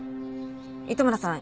糸村さん